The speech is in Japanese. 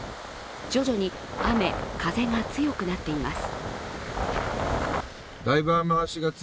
徐々に雨・風が強くなっています。